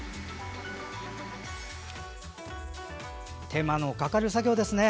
手間のかかる作業ですね。